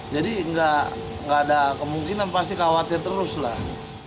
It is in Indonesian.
jadi nggak ada kemungkinan pasti khawatir terus lah